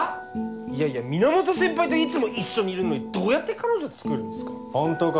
いやいや源先輩といつも一緒にいるのにどうやって彼女つくるんすか。